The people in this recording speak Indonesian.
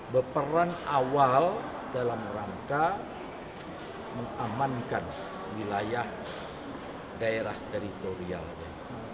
berperan awal dalam rangka mengamankan wilayah daerah teritorialnya